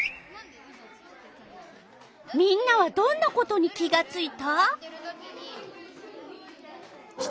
みんなはどんなことに気がついた？